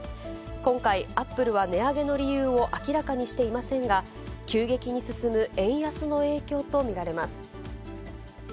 今回、アップルは値上げの理由を明らかにしていませんが、急激に進む円安の影響と見られます。